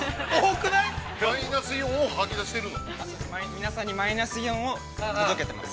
皆さんにマイナスイオンを届けてます。